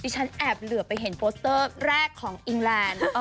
ฉันแอบเหลือไปเห็นโปสเตอร์แรกของอิงแลนด์